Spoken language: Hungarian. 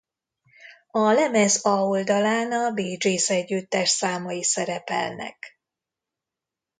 A lemez A oldalán a Bee Gees együttes számai szerepelnek.